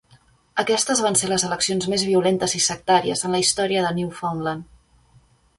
Aquestes van ser les eleccions més violentes i sectàries en la història de Newfoundland.